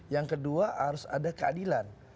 yang kedua harus ada keadilan